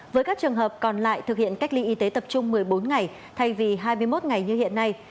với các trường hợp còn lại thực hiện cách ly y tế tập trung một mươi bốn ngày thay vì hai mươi một ngày như hiện nay